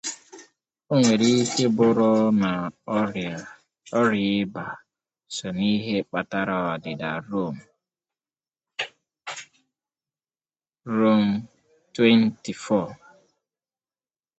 O nwere ike buru na ọrịa ịba so na ihe kpatara odida Rome [xxiv].